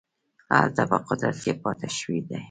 هلته په قدرت کې پاته شوي دي.